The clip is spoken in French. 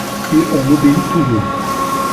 Et on obéit toujours